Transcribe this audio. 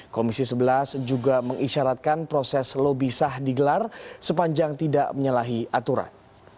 komisi sebelas juga mengisyaratkan proses lobby sah digelar sepanjang tidak menyalahi aturan